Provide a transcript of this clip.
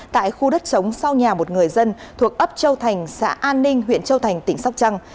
tại khu đất chống sau nhà một người dân thuộc ấp châu thành xã an ninh huyện châu thành tỉnh sóc trăng